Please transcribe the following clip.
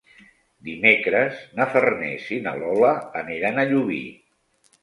Dimecres na Farners i na Lola aniran a Llubí.